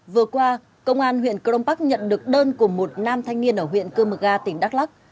vừa qua công an huyện cron park nhận được đơn của một nam thanh niên ở huyện cư mờ ga tỉnh đắk lắc